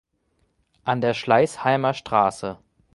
An der Schleißheimer Str.